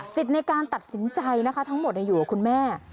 สิทธิ์ในการตัดสินใจทั้งหมดอยู่กับคุณแม่